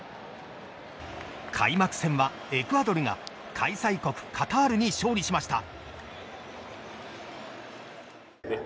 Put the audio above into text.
開幕戦はエクアドルが開催国カタールに勝利しました。